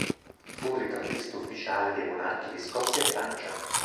Fu ritrattista ufficiale dei monarchi di Scozia e Francia.